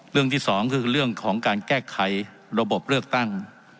ที่สองคือเรื่องของการแก้ไขระบบเลือกตั้ง